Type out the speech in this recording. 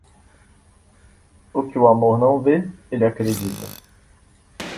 O que o amor não vê, ele acredita.